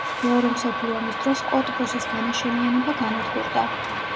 მეორე მსოფლიო ომის დროს კოტბუსის განაშენიანება განადგურდა.